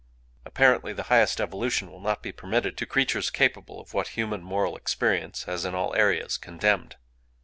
Apparently, the highest evolution will not be permitted to creatures capable of what human moral experience has in all areas condemned.